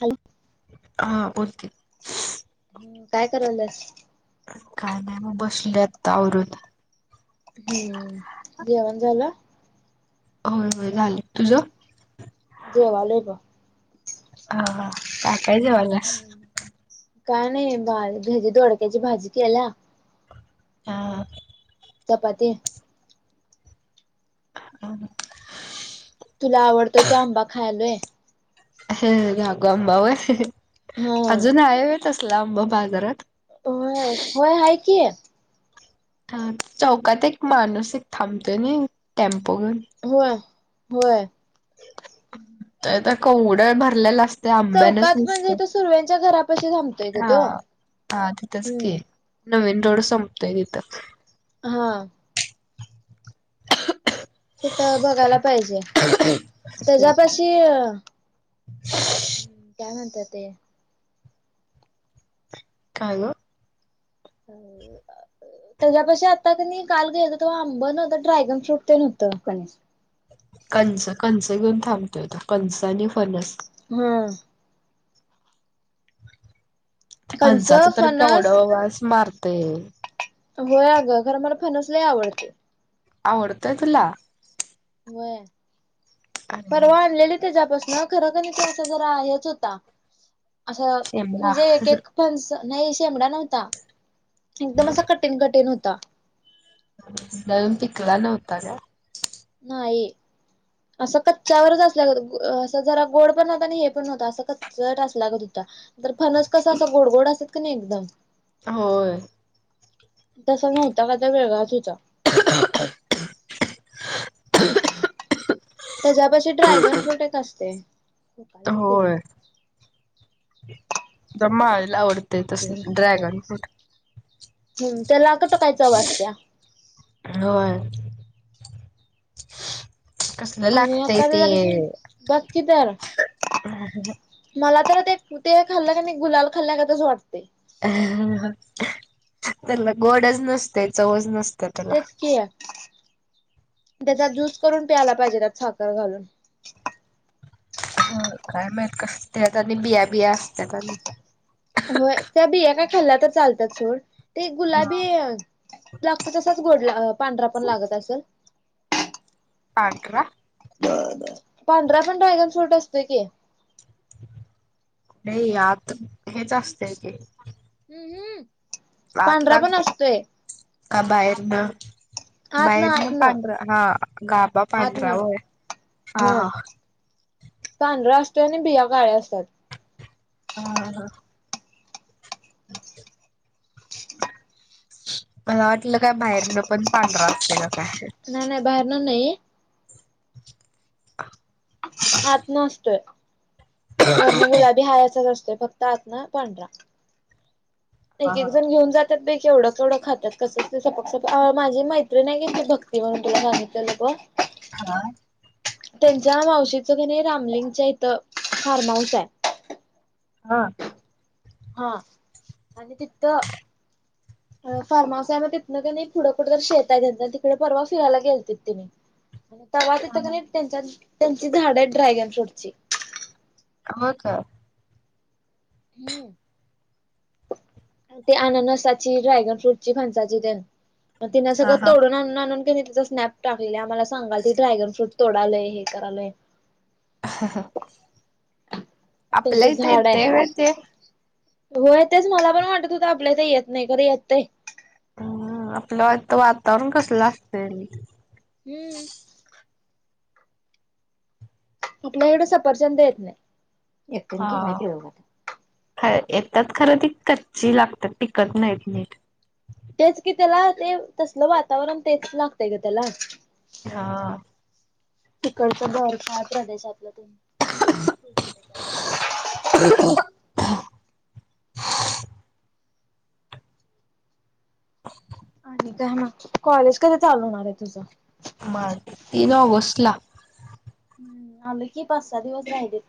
Hello. हा बोलते. हू काय करायल्यास? काय नाही मग बसलोय आता आवरून. हूम्म जेवण झालं? होय होय झाल. तुझं? जेवालोय ब. ह हा. त्याकाळी जात ह् काय नाही बाज दोडक्याची भाजी केल्या. हां हा. चपाती दाखव ना. तुला आवडतोय ते आंबा खायालोय. हे राघू आंबा व्हय, हम्म अजून हाये व्हय आसला आंबा बाजारात. होय, होय हाय की. हा चौकात एक माणूस एक थांबतोय नी टेम्पो घेऊन होय होय. त्यात कवड्या भरलेला अस चौकात म्हणजे तो सुर्व्यांच्या घरापशी थांब हा हा तिथंच की, नवीन रोड संपतोय तिथं. हा. तिथं बघायला पाहिजे. तेज्यापाशी हुं. काय म्हणत्यात ते. काय ग? अ [unintelligible] त्याच्यापाशी आता कनी काल गेलो, तेव्हा आंब नव्हतं ड्रॅगन फ्रूट तेन होतं. कणीस कणसं कणसं घेऊन थांबतोय तो. कणसं आणि फणस. हुं. कंच फणसाचं तरी फणस केवढं वास मारतय. होय अगं, खर मला फणस लय आवडतय. आवडत्यात तुला? होय, परवा शेमला आणलेली त्याच्यापासनं खर कनी ते असा जरा हेच होता, असा म्हणजे एक एक फणसं नाही शेंमडा नव्हता. एकदम असा कठीण कठीण होता. तो अजुन पिकला नव्हता काय? नाही. असं कच्च्यावरचं असल्यागत, असं जरा गोड पण नव्हता आणि हे पण नव्हतं असं कच् चट अस लागतं हुता तर फणस कसं असं गोड गोड असत्यात कनी एकदम. होय. तसा नव्हता कायतर वेगळाच हुता. [inaudible] त्याज्यापशी ड्रॅगन फ्रूट एक असतंय. दमाय हम्म, त्याला कुठं काय चव असतिया? होय. [inaudible] कसलं आणि लागतय आता ते त्याच्यापासून बग की तर. मला तर ते ते खाल्लं क नाय गुलाल खाल्ल्यागतच वाटतंय. त्यांना गोडच नसतयं चवच नस तेच कि त्याचा ज्यूस करून प्यायला पाहिजे त्यात साखर घालून. हा काय माहीत कसं त्यात आणि बिया बिया असत्यात आणि. व्हय त्या बिया काय खाल्ल्या तर चालत्यात सोड. ते गुलाबी लागतो तसाच गोड पांढरा पण लागत असंल. पांढरा? पांढरा पण ड्रॅगन फ्रूट असतोय की. नाय यात हेच असतंय ते. [unintelligible] पांढरा आतला पण असतोय का बाहेरनं? आत ना बाहेर आत न ना पांढरा हा गाभा आत पांढरा ना होय हा हा. पांढरा असतोय आणि बिया काळ्या असतात. हां हा. मला वाटलं काय बाहेरनं पण पांढरा असतय का काय. नाय नाय बाहेरन नाय. [inaudible] आतंन असतोय वरनं गुलाबी हाय असायचं असतोय, फ आतन पांढरा. हा एक एकजण घेऊन जात त्यात बाय केवढं केवढं खात्यात कसं ते सपाक सपाक, माझी मैत्रीन आय क नी ती भक्ती म्हणुन तुला सांगितलं [unintelligible] हा. त्यांच्या मावशीचं का नाई रामलिंगच्या इथं फार्महाऊस आय. हा. हा, आणि तिथं फार्म हाऊस आय म तीथनं क नाय पुढं कुठं तरी शेत आय त्यांच तिकडे परवा फिरायला गेलतेत तेनी. तवा तीथं क हा. नी त्यांच्या त्यांची झाडं हायत ड्रॅगन फ्रूटची. हो का. हम्म. ते अननसाची, ड्रॅगन फ्रूट ची फणसाची तेन. म तिंनं हा सगळं हा. तोडून आणून आणून तिचा स्नॅप टाकलेले आम्हाला सांगालती ड्रॅगन फ्रूट तोडालय हे करालोय. त्यांचं आपल्या हित झाड आहे. येतंय होय ते? होय तेच मला पण वाटत हुत आपल्या इथ येत नाय खर येतय. हम आपल्याइथ वातावरण कसलं असतय. हम्म आपल्या इकडं सफरचंद येत नाय, येतील की नाय काय कळना. ह येतात खरं ती कच्ची लागतात टिकत नाहीत नीट. तेच कि त्याला ते तसलं वातावरण तेच लागतय ग त्याला. हा तिकडचं बर्फाळ प्रदेशातलं हाय ते. [inaudible] [unintelligible] [inaudible] अनी काय म कॉलेज कधी चालु होणाराय तुझं? माझं तीन ऑगस्टला. थांब की पाच सहा दिवस राहिलेत.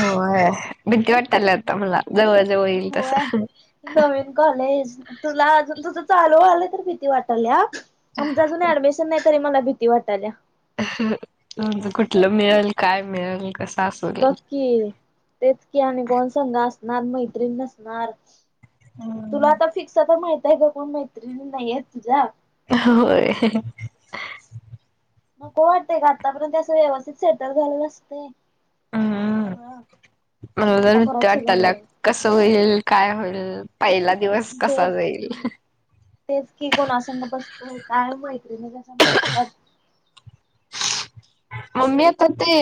होय भीती वाटत्याय लय आता मला जवळ जवळ येईल तसं. काॅलेज तुला अजुन तुझं चालु व्हायलय तर भीती वाटायल्या आमचं अजुन ऍडमीश्- नाही तरी मला भीती वाटायल्या. ह, ह म्हंजे कुठलं मिळंल काय मिळंल कसं असंल? हम तेच कि आणि कोन संग असणार मैत्रीण नसणार. तुला आता फिक्स तर माहिताय गं का कोण मैत्रिणी नाईयेत तुझ्या. होय मग को वाटतय का आत्तापर्यंत असं व्यवस्थित सेटल झालेलं असते. हम्म. सगळं आणि आता परत सगळं नवीन. कस होईल काय होईल पहिला दिवस कसा तेच जाईल. की तेच की कोणा संंग बसतोय काय मैत्रीणीं कश्या भेटतात? [inaudible] मम्मी आता ते.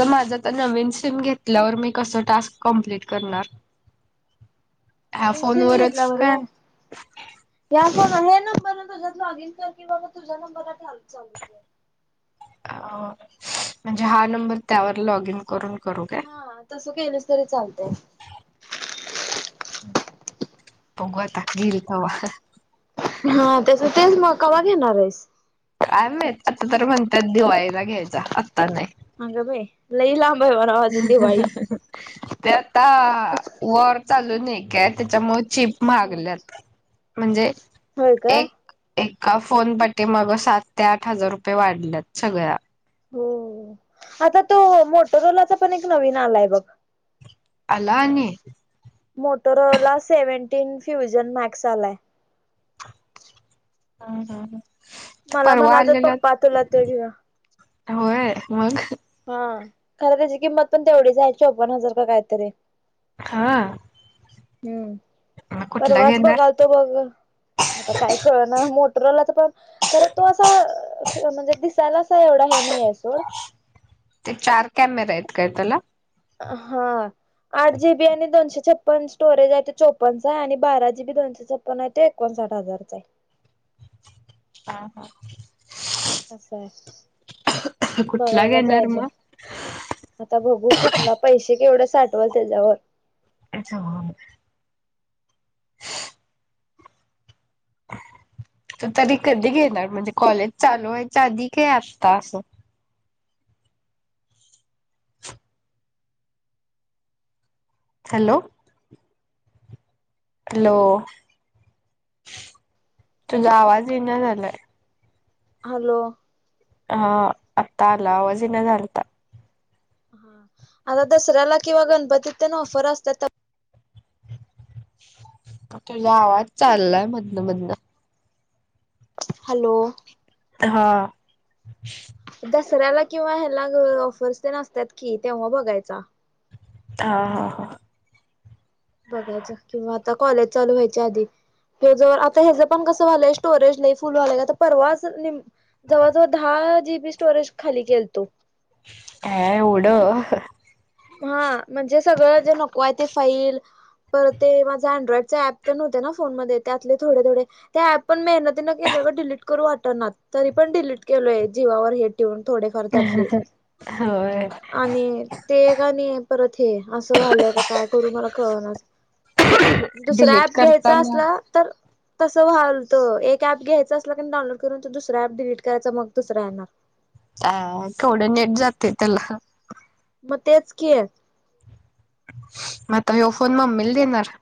ज माझं त नवीन सीम घेतल्यावर मी कसं टास्क कंप्लीट करणार. ह्या नवीन सीम फोनवरच घेतल्यावर काय व्हय. या फोणवर व्हय नबर तुझच लॉगिन कर कि बाबा तुझ्या नंबरला टास्क चालू कर. म्हणजे हा नंबर त्यावर लॉग इन करून करू काय. हा तसं केलंस तरी चालतंय. बगु आता घेईल तव्हा. हा त्याच तेच मग कवा घेणार आहेस? काय माहित आता तर म्हणतात दिवाळीला घ्यायचा आत्ता नाही. अग बाई लई लांब हाय म्हणावं अजून दिवाळी. [inaudible] ते आता वॉर चालूू नाही काय त्यांच्यामुळे चिप हा. महागल्यात. म्हणजे होय का? एक एका फोन पाठीमागे सात ते आठ हजार रुपये वाढल्यात सगळ्या. हो आता तो मोटरोओलाचा पण एक नवीन आलाय बघ. आला आनी. मोटोरोला सेव्हन्टीन फ्युजन मार्क्स आलाय. हं हं‌ ते मला पर्वा म्हणालत आलेला पप्पा तुला तो घेऊया. होय मग. खरं त्याची किंमत पण तेवढीच हाय चोपण हजार का काय तरी. हा हम्म मग कुठला परवाच घेणार बघालतो बघ आता काय कळना मोटरवाल्याच पण खर तो असा म्हणजे दिसायला अस एवढा हे नाही आहे सोड ते चार कॅमेरे आहेत का त्याला हा आठ जीबी आणि दोनशे छप पण स्टोरेज आहे ते चोपनचा आहे आणि बारा जी बी दोनशे छप्पन आहे ते एकोणसाठ हजारचा आहे हा, हा असंय कुठला बघायला घेणार पाहिजे मग आता बघू कुठला पैसे केवढे साठवल त्याज्यावर अच्छा तरी कधी घेणार म्हणजे कॉलेज चालू व्हायच आधी का आता असं हॅलो हॅलो तुझा आवाज ईना झालाय हॅलो हा आता आला आवाज इना झालता आता‌ दसर्याला किंवा गनपतीत तेन ऑफर असतात तर तुझा आवाज चाललाय मधन, मधनं हॅलो हा दसऱ्याला किंवा ह्याला ग ऑफर्स तेन असत्यात कि तेव्हा बघायचा हां, हां, हां बघायच किंवा आता कॉलेज चालू व्हायच्या आधी ह्याज आता ह्याच पण कसं व्हायलय स्टोरेज नाही फुल व्हायलय का आता परवाच निम जवळ, जवळ दहा जीबी स्टोरेज खाली केल तो हा एवढं हा म्हणजे सगळं जे नको आहे ते फाईल तर ते माझा अँड्रॉइडच्या ऍप तर नव्हते ना फोन मध्ये त्यातले थोडे, थोडे त्या ऍप पण मेहनतीन केलेय डिलीट करू वाटतणार तरी पण डिलीट केलोय जीवावर हे ऊन थोडेफार त्यातले होय. आणि ते एक आणि परत हे असं व्हायलय आता काय करू मला कळणाच दुसरा डिलीट ॲप घ्यायचा करताना असला तर तस व्हालतं एक ऍप घ्यायचं असलं की डाउनलोड करून तर दुसरा ऍप डिलीट करायचा मग दुसरा येणार अ केवढ नेट जातय त्याला मग तेच की म आता ह्यो फोन मम्मीला देणार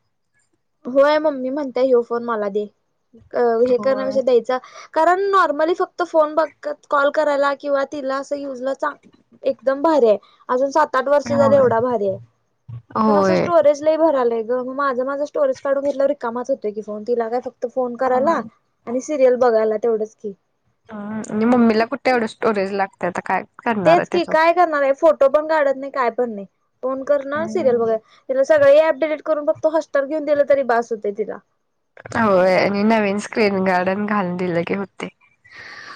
होय मम्मी म्हणताय हे फोन मला दे अ हे होय. करण्यापेक्षा द्यायचा कारण नॉर्मली फक्त फोन बघत कॉल करायला किंवा तिला असं युजला चांग एकदम भारी आहे अजून सात आठ वर्ष झाली होय एवढा भारी आहे पण असं होय. स्टोरेज ला भरलंय ग म माझं, माझं स्टोरज काढून घेतल्यावर रीकामाच होतय की फोन तिला काय फक्त फोन करायला होय. आणि सिरियल बघायला तेवढंच की हा मम्मीला कुठ एवढं स्टोरेज लागतय आता काय करणार आहे तेच की त्याचं. काय करणार आहे फोटो पण काढत नाही काय पण नाही फोन करणार सिरियल हम्म. वगैरे तिला सगळे अप डिलेट करून फक्त होस्टर घेऊन दिल तरी बस होतय तिला होयं आणि नवीन स्क्रीन गार्डन घालूंन दिलेले होते.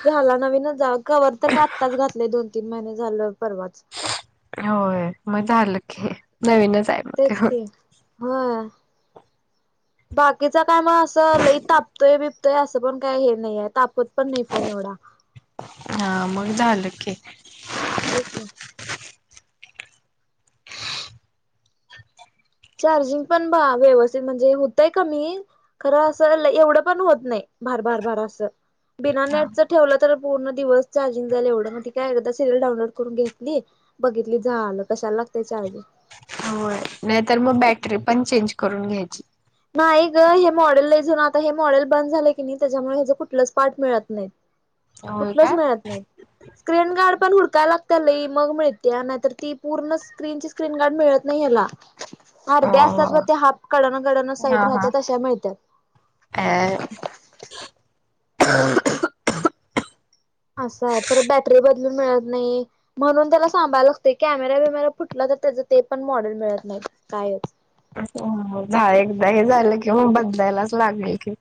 झालां नवीनचं जां कंवर तरं कां आत्ताचं घातलंय दोन तीनं महिने झालं परवाचं. होयं मं झालं की. नवीनच आहे मग ते तेचं कि हा हां बाकीचां कायं मंग असं लई तापतोय बिबतोय असं पणं कायं हे नाहीं आहे तापतं पणं नाहीं फोन एवढां. हां मंग झालं की. तेसं. चार्जिंग पणं बां व्यवस्थित म्हणजे होतंय कमी खरं असं एवढं पणं होतं नाहीं भार भार बारं असं बिनां हा. नेटचं ठेवलं तरं पूर्ण दिवसं चार्जिंग झाले एवढं मंग कायं एकदां सरंयल डाऊनलोड करूंन घेतली. बघितली झालं कशांला लागते चार्जे होयं नाहींतरं मंग बॅटरी पणं चेंज करूंन घ्यायची. नाहीं गं हे मॉडेल नाहीं जूणं आंता हे मॉडेल बंद झालं की नाहीं त्यांच्यामुळे हेचं कुठलंचं पांठ मिळतं नाहीं. होय काय? कुठलंचं मिळतं नाहींत. स्क्रीन गार्ड पणं हुडकांयला लागतं लई मंग मिळते नाहींतरं ती पूर्ण स्क्रीन स्क्रीन गार्ड मिळतं नाहीं यांला. हो अर्ध्या असतांत बं हो. ते हांफ कडणं गडणं हा हा साईडमध्यें तशायां अ मिळतांत असं आहे परंत बॅटरी बदलूंन मिळतं नाहीं. म्हणूंन त्यांला सांभायला लागते कॅमेरा वेमेरा फुटलां तरं त्याचं ते पणं मॉडेल मिळतं नाहीं कायं चं. झालं एकदां हे झालं कि मं बदलांयलाचं लागलं की.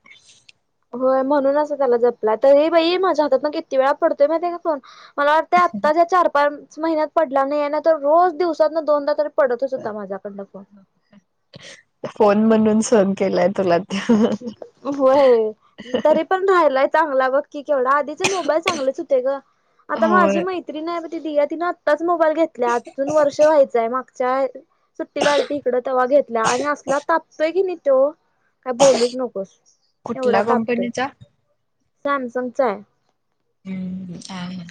होयं म्हणूंन असं त्यांला जपलांय तरी बाई माझ्यां हातांतून नां किती वेळां पडतोय मं त्यां फोन. मलां वाटतते आत्तांच्या चार पांच महिन्यांत पडलां नाहीं आहे नां तरं रोज दिवसांत न दोनदा तरी पडतचं होतां माझ्याकडं नं फोन फोन म्हणूंन सहन केलांय तुलां त्यां होयं तरी पणं राहिलाय चांगला बघकी केवढा आधीचे मोबाईल चांगलेच होते गं आंता माझी होय माहिती त्री नाहीघं ती दियां तिनं आत्ताचं मोबाईल घेतल्यां अं अजूंन वर्ष व्हायचंय मागं. सुट्टी लागं आली ते इकडं तवां घेतल्यां आणि असलां तापतोय की नाहीं तो कायं बोलूं.. नकोस एवढां कुठल्या तापतोय कंपनीचा सॅमसंगचा आहे. हम्मं हां.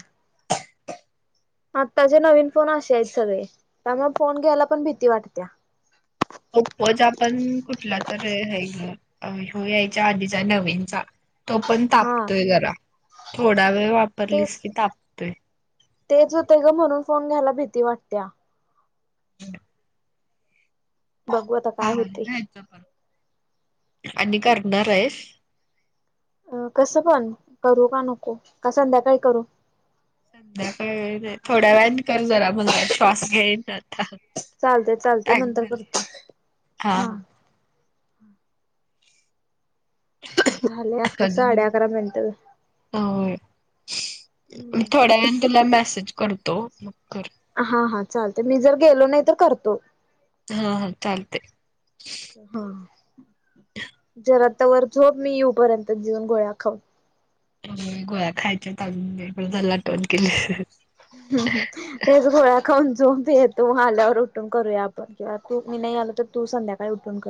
आत्तांचे नवीन फोन असे आहेतं सगळें त्यामुळें फोन घ्यायला पणं भीती वाटतेंया.. ! ओप्पोचा पणं कुठंला तरं हे हो यायच्यां आधीचा नवीनचां. तो पणं हा तापतोय जरां थोंडा वेळं वापरलीस की तापो तेचं होते गं म्हणूंन फोन घ्यायला भीती वाटतेया. हम्मं बघूं आंता कायं होते. आणि करणारं आहेस. अं कसं पणं करूं कां नको कां संध्याकांळी करूं संध्याकाळी थोड्यां वेने करं जरां मणंगा श्वास घेईन आंता चालते चालते नंतर करतो हा हां झाले अंक साडे अकरा मिनिटं हो मी थोड्यां वेळां ने तुलां मेसेज करतो हां हां चालतं मी जरं गेलो नाहीं तरं करतो हां कायं तरी हं जरां तंवर झोप मी येऊपर्यंत जीऊन गोळ्यां खाऊंन मी गोळ्या खायचे ताई, ते पण [unintelligible] केले. तेच गोळ्या खाऊन झोप बी येतो, आल्यावर उठून करूया आपण किंवा तू, मी नाई आलो तर तू संध्याकाळी उठून कर